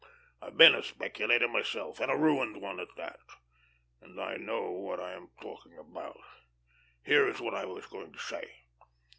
I've been a speculator myself, and a ruined one at that, and I know what I am talking about. Here is what I was going to say.